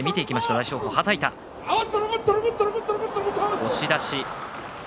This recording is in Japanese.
押し出し。